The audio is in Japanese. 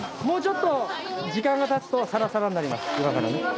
もうちょっと時間が経つとサラサラになります。